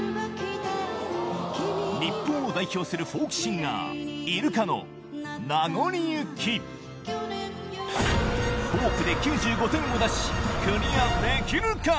日本を代表するフォークシンガー「フォーク」で９５点を出しクリアできるか？